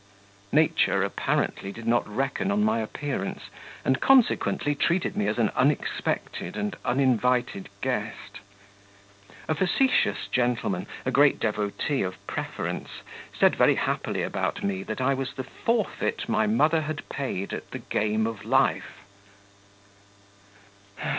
Nature, apparently, did not reckon on my appearance, and consequently treated me as an unexpected and uninvited guest. A facetious gentleman, a great devotee of preference, said very happily about me that I was the forfeit my mother had paid at the game of life.